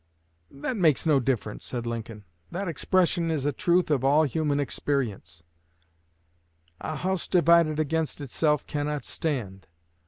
"That makes no difference," said Lincoln. "That expression is a truth of all human experience, 'a house divided against itself cannot stand.'